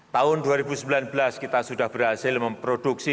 tahun dua ribu sembilan belas kita sudah berhasil memproduksi